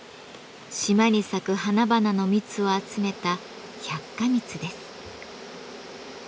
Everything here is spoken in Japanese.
島に咲く花々の蜜を集めた「百花蜜」です。